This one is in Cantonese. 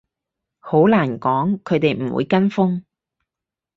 好難講，佢哋唔會跟風